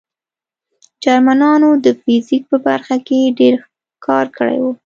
جرمنانو د فزیک په برخه کې ډېر کار کړی و